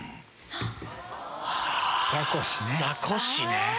ザコシね！